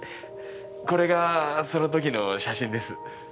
これがそのときの写真です。